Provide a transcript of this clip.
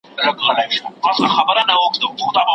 د روزنیزو پروګرامونو دوام اړین دی.